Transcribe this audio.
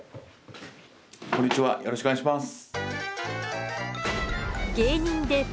こんにちはよろしくお願いします。